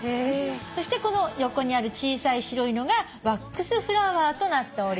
そしてこの横にある小さい白いのがワックスフラワーとなっております。